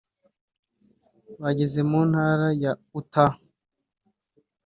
Bageze mu ntara ya Utah